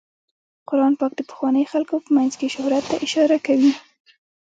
قرآن پاک د پخوانیو خلکو په مینځ کې شهرت ته اشاره کوي.